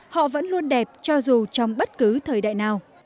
họ vẫn luôn đẹp cho dù trong bất cứ thời đại nào